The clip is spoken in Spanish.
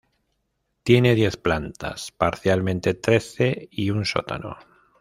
Tiene diez plantas, parcialmente trece, y un sótano.